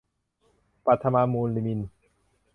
ปัทมา มูลมิล